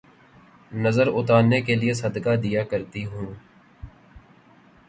نظر اتارنے کیلئے صدقہ دیا کرتی ہوں